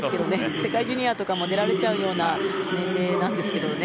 世界ジュニアとかも出られちゃうような年齢なんですけどね。